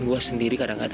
di dalam semua alat baru